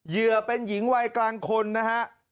เหยื่อเป็นหญิงวัยกลางคนนะฮะ